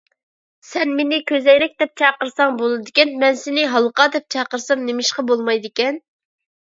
سەن مېنى «كۆزەينەك» دەپ چاقىرساڭ بولىدىكەن، مەن سېنى «ھالقا» دەپ چاقىرسام نېمىشقا بولمايدىكەن؟